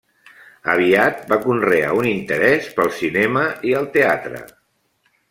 Aviat va conrear un interès pel cinema i el teatre.